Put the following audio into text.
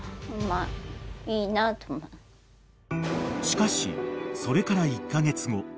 ［しかしそれから１カ月後］